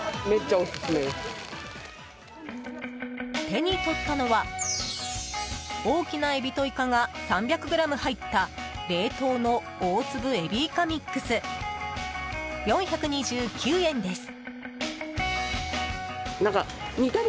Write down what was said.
手に取ったのは、大きなエビとイカが３００ｇ入った冷凍の大粒えびいかミックス４２９円です。